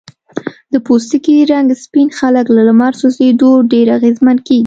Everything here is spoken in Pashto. د پوستکي رنګ سپین خلک له لمر سوځېدو ډیر اغېزمن کېږي.